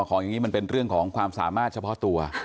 ของอย่างนี้มันเป็นเรื่องของความสามารถเฉพาะตัว